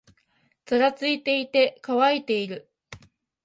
ざらついていて、乾いている